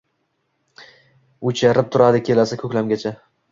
oʼchirib turadi kelasi koʼklamgacha.